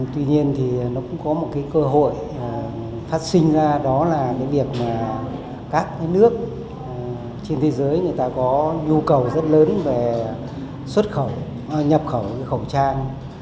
tuy nhiên thì nó cũng có một cái cơ hội phát sinh ra đó là cái việc mà các cái nước trên thế giới người ta có nhu cầu rất lớn về xuất khẩu nhập khẩu khẩu trang